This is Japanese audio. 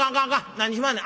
何しまんねん！